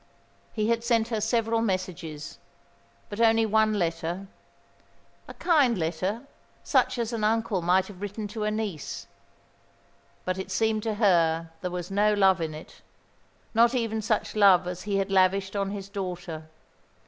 He had sent her several messages, but only one letter a kind letter, such as an uncle might have written to a niece; but it seemed to her there was no love in it, not even such love as he had lavished on his daughter.